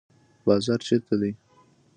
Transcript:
بازار چیرته دی؟